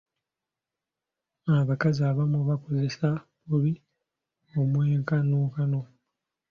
Abakazi abamu bakozesa bubi omwenkanonkano.